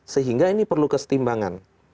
sehingga ini perlu kesetimbangan